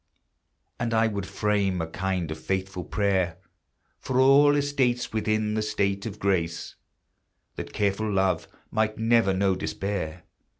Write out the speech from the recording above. And I would frame a kind of faithful prayer, For all estates within the state of grace, That careful love might never know despair.